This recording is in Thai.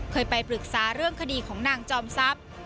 เคยไปปรึกษาเรื่องคดีของนางจอมทรัพย์